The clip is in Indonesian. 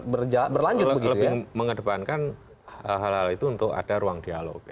betul betul saya lebih mengedepankan hal hal itu untuk ada ruang dialog ya